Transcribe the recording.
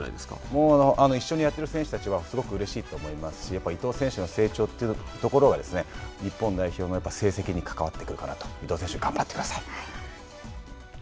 もう一緒にやっている選手たちは、すごくうれしいと思いますし、やっぱり伊東選手の成長というところは、日本代表の成績に関わってくるかなと。伊藤選手、伊東選手、頑張ってください。